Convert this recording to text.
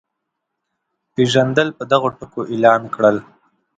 پېژندل په دغو ټکو اعلان کړل.